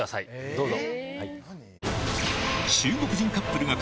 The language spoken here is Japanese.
どうぞ。